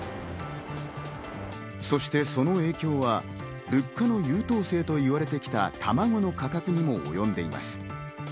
そしてその影響は、物価の優等生と言われてきた、卵の価格にもおよんでいます。